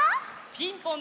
ピンポン！